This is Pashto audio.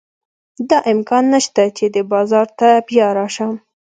دا امکان نه شته چې دې بازار ته بیا راشم.